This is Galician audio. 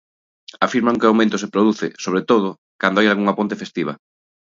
Afirman que o aumento se produce, sobre todo, cando hai algunha ponte festiva.